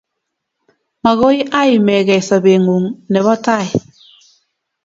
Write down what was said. Makoy aimekey sobeng'ung' ne po tai